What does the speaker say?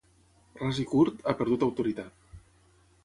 Ras i curt, ha perdut autoritat.